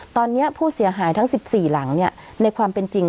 ตอนเนี้ยผู้เสียหายทั้งสิบสี่หลังเนี้ยในความเป็นจริง